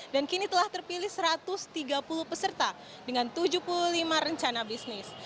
dan kini telah terpilih satu ratus tiga puluh peserta dengan tujuh puluh lima rencana bisnis